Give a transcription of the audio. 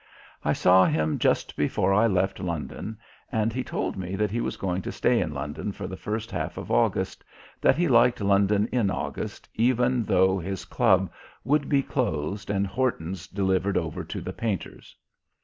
I saw him just before I left London, and he told me that he was going to stay in London for the first half of August, that he liked London in August, even though his club would be closed and Horton's delivered over to the painters.